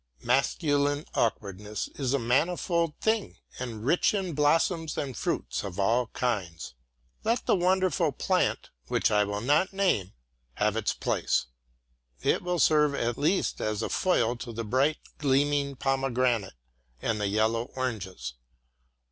Masculine awkwardness is a manifold thing, and rich in blossoms and fruits of all kinds. Let the wonderful plant, which I will not name, have its place. It will serve at least as a foil to the bright gleaming pomegranate and the yellow oranges.